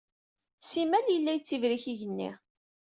Simal yella yettibrik yigenni.